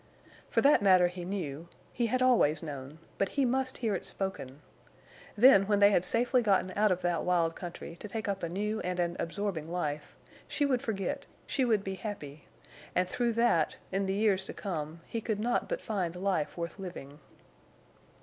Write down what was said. For that matter he knew—he had always known, but he must hear it spoken. Then, when they had safely gotten out of that wild country to take up a new and an absorbing life, she would forget, she would be happy, and through that, in the years to come, he could not but find life worth living.